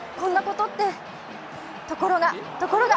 ところが、ところが！